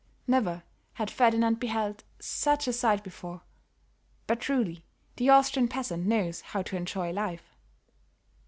Never had Ferdinand beheld such a sight before; but truly the Austrian peasant knows how to enjoy life.